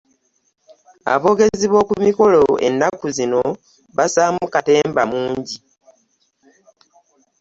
Aboogezi ku mikolo ennaku zino bassaamu katemba mungi.